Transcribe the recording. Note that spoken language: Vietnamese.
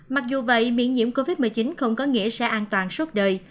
mặc dù vậy miễn nhiễm covid một mươi chín không có nghĩa sẽ an toàn suốt đời